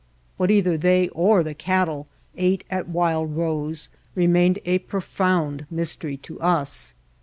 What either they or the cattle ate at Wild Rose remained a pro found mystery to us.